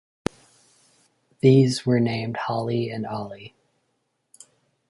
These were named "Holly" and "Olly".